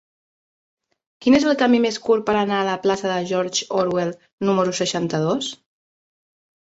Quin és el camí més curt per anar a la plaça de George Orwell número seixanta-dos?